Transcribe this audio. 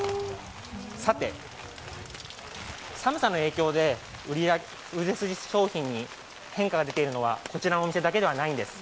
さて、寒さの影響で売れ筋商品に変化が出ているのはこちらのお店だけではないんです。